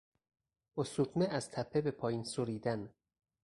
با سورتمه از تپه به پایین سریدن